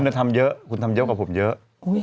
คุณก็ทำเยอะคุณทำเยอะกับผมเยอะ